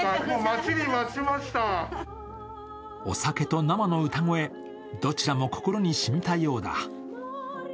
お酒と生の歌声、どちらも心にしみたようだ。